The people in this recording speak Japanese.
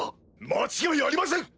間違いありません！